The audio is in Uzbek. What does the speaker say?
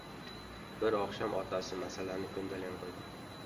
Bir oqshom otasi masalani ko‘ndalang qo‘ydi: